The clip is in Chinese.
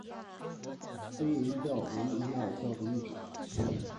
飞蝇钓为拟饵钓的一种。